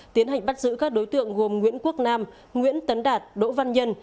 tiến hành bắt giữ các đối tượng gồm nguyễn quốc nam nguyễn tấn đạt đỗ văn nhân